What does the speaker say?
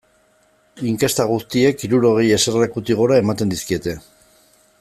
Inkesta guztiek hirurogei eserlekutik gora ematen dizkiete.